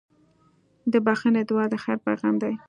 د بښنې دعا د خیر پیغام دی.